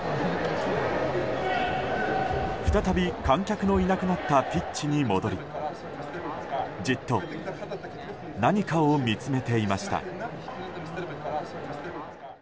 再び、観客のいなくなったピッチに戻りじっと何かを見つめていました。